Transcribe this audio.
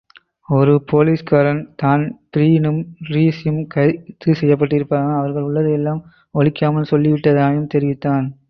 ஒரு போலிஸ்காரன் தான்பிரீனும், டிரீஸியும் கைது செய்யப்பட்டிருப்பதாயும் அவர்கள் உள்ளதையெல்லாம் ஒளிக்காமல் சொல்லி விட்டதாயும் தெரிவித்தான்.